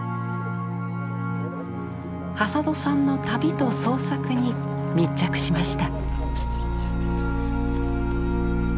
挾土さんの旅と創作に密着しました。